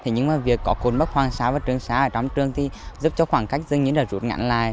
nhưng mà việc có cột mốc hoàng xa và trường xa ở trong trường thì giúp cho khoảng cách dân dân rút ngắn lại